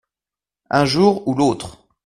Un jour ou l’autre.